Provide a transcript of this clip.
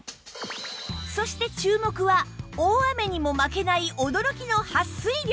そして注目は大雨にも負けない驚きのはっ水力！